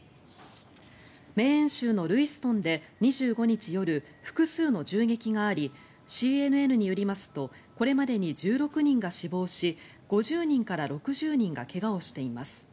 メーン州のルイストンで２５日夜複数の銃撃がありＣＮＮによりますとこれまでに１６人が死亡し５０人から６０人が怪我をしています。